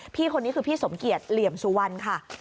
พี่คนนี้คือพี่สมเกียจเหลี่ยมสุวรรณค่ะ